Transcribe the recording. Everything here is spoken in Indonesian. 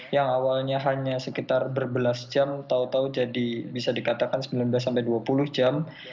yang awalnya hanya sekitar berbelas jam tau tau jadi bisa dikatakan sembilan belas sampai dua puluh jam